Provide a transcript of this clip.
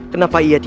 kenapa ia diambil